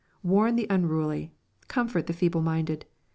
Warn the unruly. Com fort the feeble minded.